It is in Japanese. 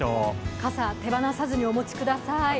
傘、手放さずにお持ちください。